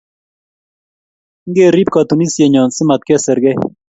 Ngerip katunisienyo si matkesirgei